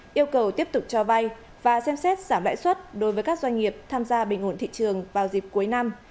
yêu cầu tiếp tục cho vay và xem xét giảm lãi suất đối với các doanh nghiệp tham gia bình ổn thị trường vào dịp cuối năm